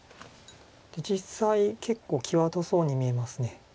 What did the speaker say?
実際結構際どそうに見えます。